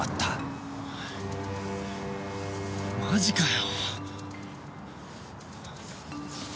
マジかよ！？